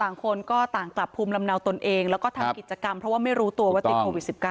คนก็ต่างกลับภูมิลำเนาตนเองแล้วก็ทำกิจกรรมเพราะว่าไม่รู้ตัวว่าติดโควิด๑๙